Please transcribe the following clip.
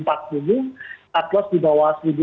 aklos di bawah